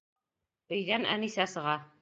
Өйҙән Әнисә сыға.